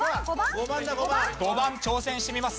５番挑戦してみます。